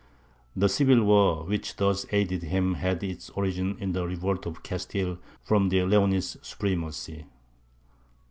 The civil war which thus aided him had its origin in the revolt of Castile from the Leonese supremacy.